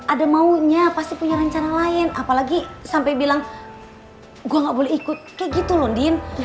ada maunya pasti punya rencana lain apalagi sampai bilang gua nggak boleh ikut kayak gitu londin